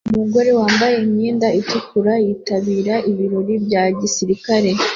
Umugore wambaye imyenda itukura yitabira ibirori bya gisirikare